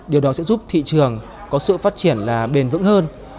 điều đó sẽ giúp thị trường có sự phát triển là bền vững hơn